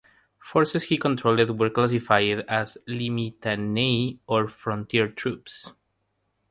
Forces he controlled were classified as limitanei, or frontier troops.